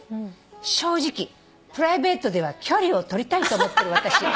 「正直プライベートでは距離を取りたいと思ってる私」